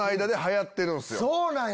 そうなんや！